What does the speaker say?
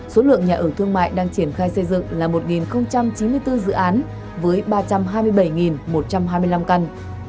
số lượng nhà ở thương mại đang triển khai xây dựng là một chín mươi bốn dự án với ba trăm hai mươi bảy một trăm hai mươi năm căn